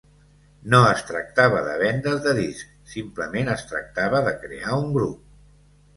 No es tractava de vendes de discs, simplement es tractava de crear un grup.